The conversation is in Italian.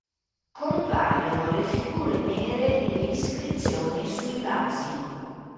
Compaiono le figure nere e le iscrizioni sui vasi.